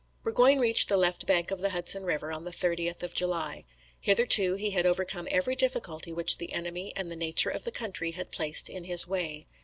Burgoyne reached the left bank of the Hudson river on the 30th of July. Hitherto he had overcome every difficulty which the enemy and the nature of the country had placed in his way.